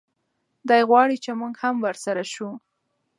دی غواړي چې موږ هم ورسره شو.